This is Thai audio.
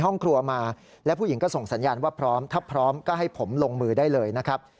ห้องครัวมาและผู้หญิงก็ส่งสัญญาณว่าพร้อมถ้าพร้อมก็ให้ผมลงมือได้เลยนะครับ